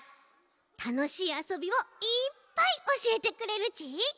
たのしいあそびをいっぱいおしえてくれるち。